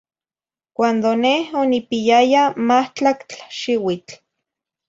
Cuando neh onipiyaya mahtlactl xiuitl.